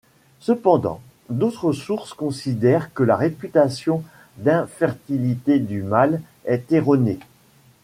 Cependant, d'autres sources considèrent que la réputation d'infertilité du mâle est erronée.